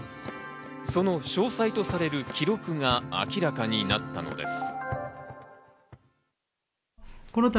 その詳細とされる記録が明らかになったのです。